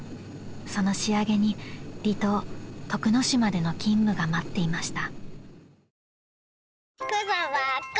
［その仕上げに離島徳之島での勤務が待っていました］